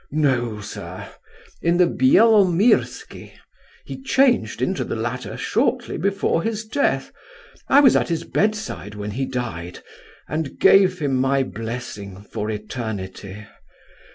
"No, sir—in the Bielomirsky; he changed into the latter shortly before his death. I was at his bedside when he died, and gave him my blessing for eternity.